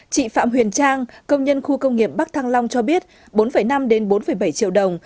chị phạm huyền trang công nhân khu công nghiệp bắc thăng long cho biết bốn năm bốn bảy triệu đồng